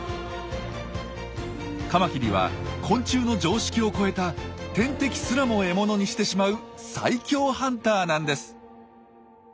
カマキリは昆虫の常識を超えた天敵すらも獲物にしてしまう最強ハンターなんです。